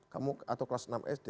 kamu atau kelas enam sd